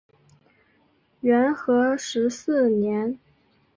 元和十四年。